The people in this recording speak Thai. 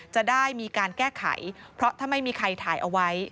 จะได้มีการแก้ไขเพราะถ้าไม่มีใครถ่ายเอาไว้